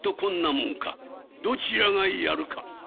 門かどちらがやるか。